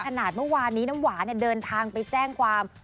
เมื่อวานนี้น้ำหวานเดินทางไปแจ้งความ